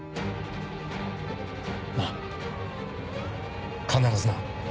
ああ必ずな。